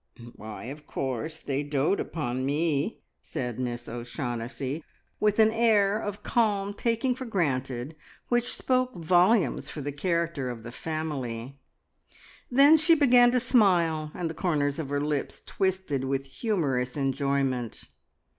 "Why, of course. They dote upon me," said Miss O'Shaughnessy, with an air of calm taking for granted which spoke volumes for the character of the family. Then she began to smile, and the corners of her lips twisted with humorous enjoyment.